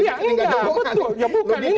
ya bukan ini kan gak nyambung